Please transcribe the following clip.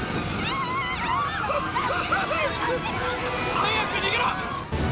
・・早く逃げろ！